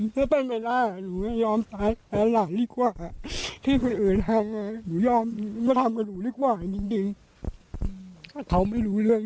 เขาไม่รู้เรื่องด้วยเลย